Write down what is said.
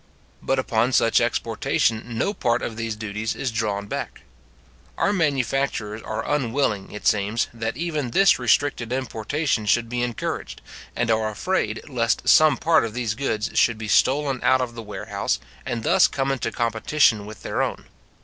But upon such exportation no part of these duties is drawn back. Our manufacturers are unwilling, it seems, that even this restricted importation should be encouraged, and are afraid lest some part of these goods should be stolen out of the warehouse, and thus come into competition with their own.